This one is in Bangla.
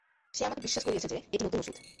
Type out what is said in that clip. সে আমাকে বিশ্বাস করিয়েছে যে এটি নতুন ওষুধ।